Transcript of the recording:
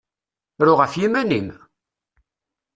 Ru ɣef yiman-im!